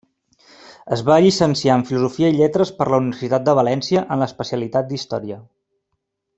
Es va llicenciar en Filosofia i Lletres per la Universitat de València en l'especialitat d'Història.